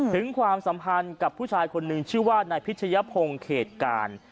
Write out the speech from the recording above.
ความสัมพันธ์กับผู้ชายคนหนึ่งชื่อว่านายพิชยพงศ์เขตการ